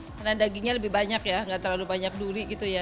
karena dagingnya lebih banyak ya enggak terlalu banyak duri gitu ya